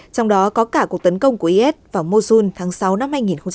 trong đó có cả cuộc tấn công của is vào mosul tháng sáu năm hai nghìn một mươi chín